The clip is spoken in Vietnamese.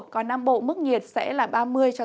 còn nam bộ mức nhiệt sẽ là ba mươi ba mươi hai độ